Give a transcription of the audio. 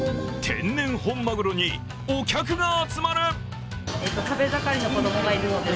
天然本マグロにお客が集まる。